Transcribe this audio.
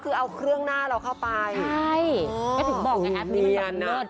คือเอาเครื่องหน้าเราเข้าไปใช่ก็ถูกบอกไอ้แอปนี้มันบอกเวิร์ด